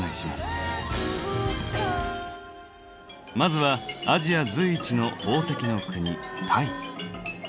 まずはアジア随一の宝石の国タイ。